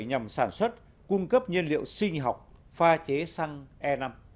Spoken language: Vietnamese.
nhằm sản xuất cung cấp nhiên liệu sinh học pha chế xăng e năm